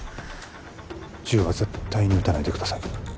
銃は絶対に撃たないでください